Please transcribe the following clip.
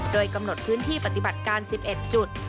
โดยกำหนดพื้นที่ปฏิบัติการ๑๑จุด